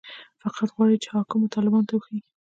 فقط غواړي چې حاکمو طالبانو ته وښيي.